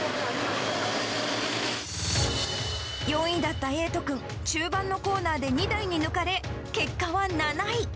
４位だった瑛斗くん、中盤のコーナーで２台に抜かれ、結果は７位。